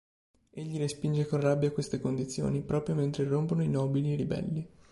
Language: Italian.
Egli respinge con rabbia queste condizioni, proprio mentre irrompono i nobili ribelli.